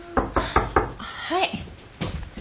はい。